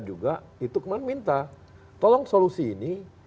juga itu kemarin minta tolong solusi ini